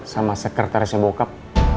sama sekretarisnya bokap